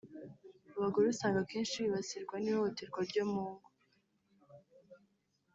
Abagore usanga kenshi bibasirwa n’ihohoterwa ryo mu ngo